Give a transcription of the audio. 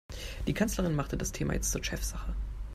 Die Kanzlerin machte das Thema jetzt zur Chefsache.